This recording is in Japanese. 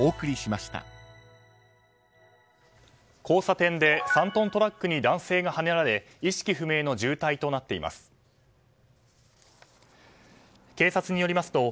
交差点で３トントラックに男性がはねられ意識不明の重体となっています。